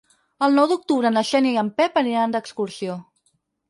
El nou d'octubre na Xènia i en Pep aniran d'excursió.